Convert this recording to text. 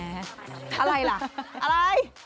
อะไรล่ะอะไร